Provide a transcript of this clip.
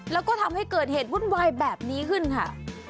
แล้วก็ทำให้เกิดเหตุวุ่นวายแบบนี้ขึ้นค่ะ